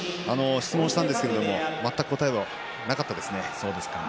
質問したんですけど全く答えはありませんでした。